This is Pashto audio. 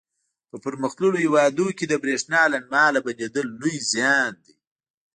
په پرمختللو هېوادونو کې د برېښنا لنډ مهاله بندېدل لوی زیان دی.